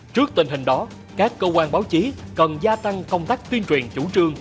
trước tình hình đó các cơ quan báo chí cần gia tăng công tác tuyên truyền chủ trương